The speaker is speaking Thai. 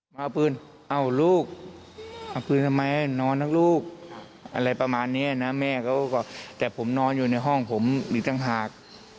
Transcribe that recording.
มาเอาปืนเอ้าลูกเอาปืนทำไมนอนทั้งลูกอะไรประมาณนี้นะแม่เขาก็แต่ผมนอนอยู่ในห้องผมอีกต่างหาก